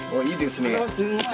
すごい。